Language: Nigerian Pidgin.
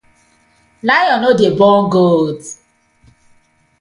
Lion no dey born goat.